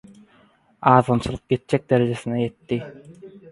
Azgynçylyk ýetjek derejesine ýetdi.